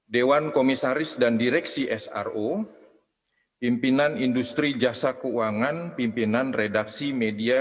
dewan komisaris dan direksi sro pimpinan industri jasa keuangan pimpinan redaksi media